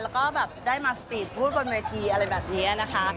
แล้วก็แบบได้มาสปีดพูดบนเวทีอะไรแบบนี้นะคะ